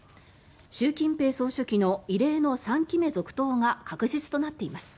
習近平総書記の異例の３期目続投が確実となっています。